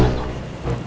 manja banget lo